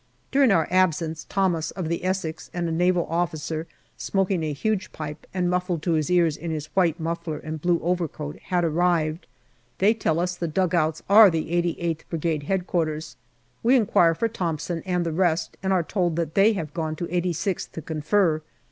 During our absence Thomas, of the Essex, and a Naval officer, smoking a huge pipe and muffled to his ears in his white muffler and blue overcoat, had arrived. They tell us the dugouts are the 88th Brigade H.Q. We inquire for Thomson and the rest, and are told that they have gone to 86th to confer.